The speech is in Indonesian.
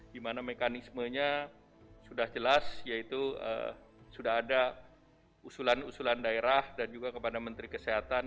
di mana mekanismenya sudah jelas yaitu sudah ada usulan usulan daerah dan juga kepada menteri kesehatan